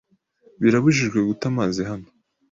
Birabujijwe guta amazi hano.